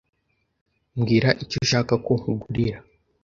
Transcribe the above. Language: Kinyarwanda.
Mbwira icyo ushaka ko nkugurira.